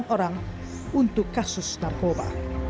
enam belas orang untuk kasus narkoba